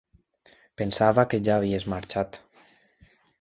Pensava que ja havies marxat.